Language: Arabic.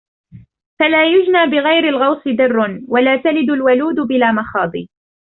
فلا يُجنَى بغيرِ الغوصِ درٌّ...ولا تلِدُ الوَلودُ بلا مخاضِ